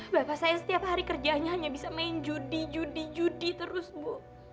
bapak saya setiap hari kerjanya hanya bisa main judi judi judi terus bu